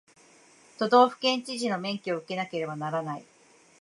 都道府県知事の免許を受けなければならない